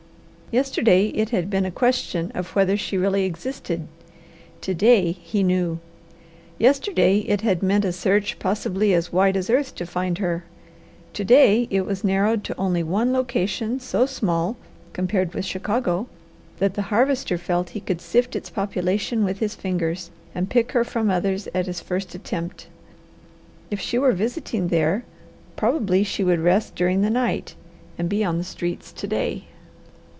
Yesterday, it had been a question of whether she really existed. To day, he knew. Yesterday, it had meant a search possibly as wide as earth to find her. To day, it was narrowed to only one location so small, compared with Chicago, that the Harvester felt he could sift its population with his fingers, and pick her from others at his first attempt. If she were visiting there probably she would rest during the night, and be on the streets to day.